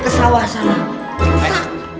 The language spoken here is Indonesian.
ke sawah sana